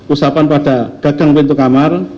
usapan pada dagang pintu kamar